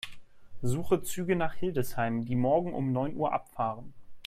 Suche Züge nach Hildesheim, die morgen um neun Uhr abfahren.